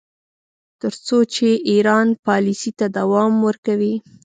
تر څو چې ایران پالیسۍ ته دوام ورکوي.